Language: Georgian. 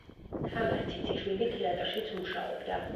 თამარ ციციშვილი თეატრშიც მუშაობდა.